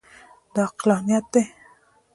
دا عقلانیت دی.